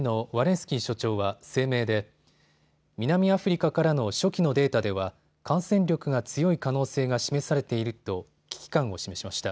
スキー所長は声明で南アフリカからの初期のデータでは感染力が強い可能性が示されていると危機感を示しました。